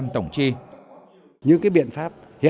ba năm tổng tri